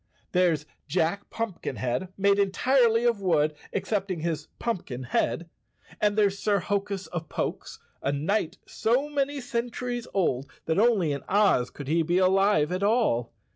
There's Jack Pumpkinhead, made entirely of wood, excepting his pumpkin head, and there's Sir Hokus of Pokes, a knight so many centuries old that only in Oz could he be alive at all.